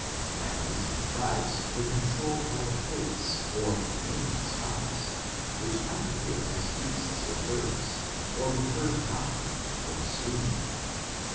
Families and tribes were controlled by the Fates or nameless gods, which might appear as beasts or birds, or be heard knocking or screaming.